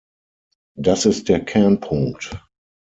Das ist der Kernpunkt!